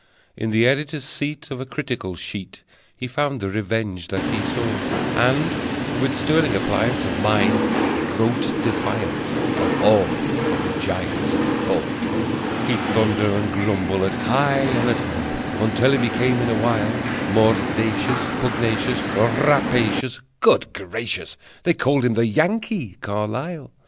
In the editor's seat Of a critical sheet He found the revenge that he sought; And, with sterling appliance of Mind, wrote defiance of All of the giants of Thought. He'd thunder and grumble At high and at humble Until he became, in a while, Mordacious, pugnacious, Rapacious. Good gracious! They called him the Yankee Carlyle!